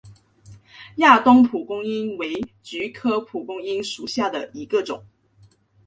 亚东蒲公英为菊科蒲公英属下的一个种。